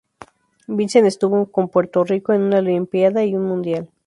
Vicens estuvo con Puerto Rico en una Olimpiada y un Mundial.